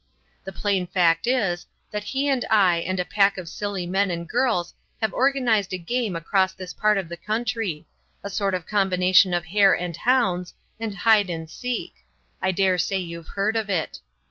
The plain fact is, that he and I and a pack of silly men and girls have organized a game across this part of the country a sort of combination of hare and hounds and hide and seek I dare say you've heard of it.